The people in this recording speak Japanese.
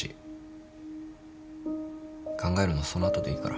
考えるのはその後でいいから。